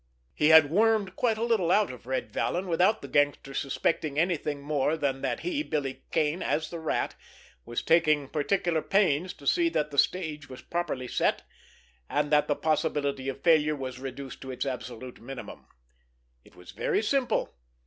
He had wormed quite a little out of Red Vallon without the gangster suspecting anything more than that he, Billy Kane as the Rat, was taking particular pains to see that the stage was properly set, and that the possibility of failure was reduced to its absolute minimum. It was very simple.